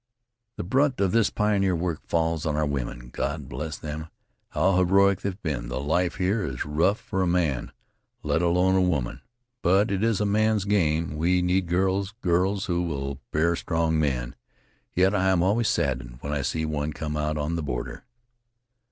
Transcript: "The brunt of this pioneer work falls on our women. God bless them, how heroic they've been! The life here is rough for a man, let alone a woman. But it is a man's game. We need girls, girls who will bear strong men. Yet I am always saddened when I see one come out on the border."